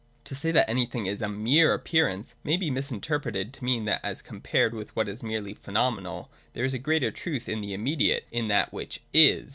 To say that anything is a mere appearance may be misinterpreted to mean that, as compared with what is merely phenomenal, there is greater truth in the immediate, in that which is.